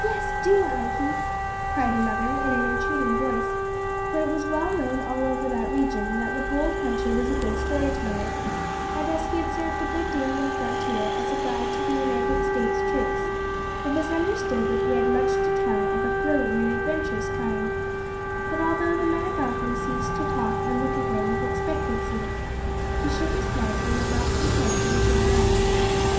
"Yes, do, Hunky," cried another in an entreating voice, for it was well known all over that region that the bold hunter was a good story teller, and as he had served a good deal on the frontier as guide to the United States troops, it was understood that he had much to tell of a thrilling and adventurous kind; but although the men about him ceased to talk and looked at him with expectancy, he shook his head, and would not consent to be drawn out.